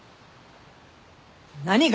何が。